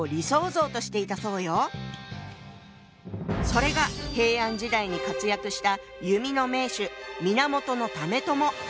それが平安時代に活躍した弓の名手源為朝。